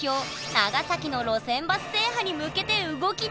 長崎の路線バス制覇に向けて動きだした！